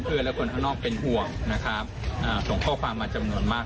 เพื่อนและคนข้างนอกพี่เป็นห่วงส่งข้อความมาจำนวนมาก